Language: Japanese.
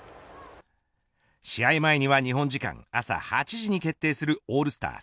試合前には日本時間、朝８時に決定するオールスター